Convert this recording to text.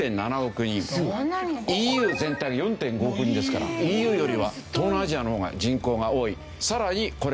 ＥＵ全体が４．５億人ですからＥＵよりは東南アジアの方が人口が多い。